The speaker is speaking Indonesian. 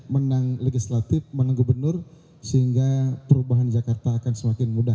menang legislatif menang gubernur sehingga perubahan jakarta akan semakin mudah